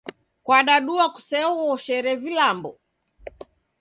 Kwadadua kuseoghoshere vilambo?